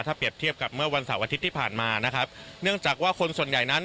ถ้าเปรียบเทียบกับเมื่อวันเสาร์อาทิตย์ที่ผ่านมานะครับเนื่องจากว่าคนส่วนใหญ่นั้น